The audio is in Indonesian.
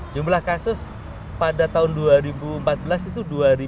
jumlah kasus pada tahun dua ribu empat belas itu dua tiga puluh enam